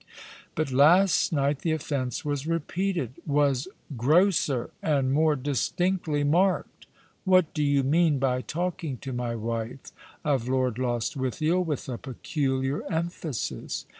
But last night the offence was repeated — was grosser — and more distinctly marked. What do you mean by talking to my wife of Lord Lostwithiel with a peculiar emphasis